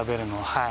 はい。